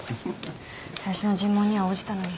最初の尋問には応じたのに。